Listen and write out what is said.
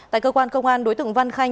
tại cơ quan công an đối tượng văn khanh